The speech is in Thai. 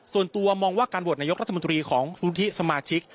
ส่วนตัวมองว่าการโหวตนายกรัฐมนตรีของสุธิสมาชิก